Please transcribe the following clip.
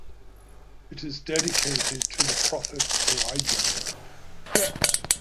It is dedicated to the Prophet Elijah.